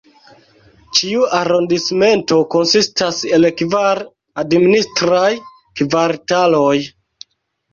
Ĉiu arondismento konsistas el kvar administraj kvartaloj.